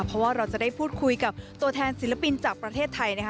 เพราะว่าเราจะได้พูดคุยกับตัวแทนศิลปินจากประเทศไทยนะคะ